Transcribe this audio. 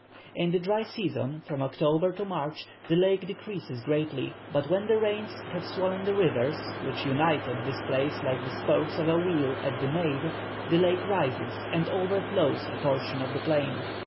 In the dry season, from October to March, the lake decreases greatly; but when the rains have swollen the rivers, which unite at this place like the spokes of a wheel at the nave, the lake rises, and overflows a portion of the plain.